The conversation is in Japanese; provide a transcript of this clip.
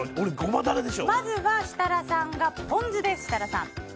まずは設楽さんがポン酢。